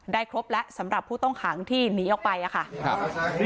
ครบแล้วสำหรับผู้ต้องขังที่หนีออกไปค่ะครับ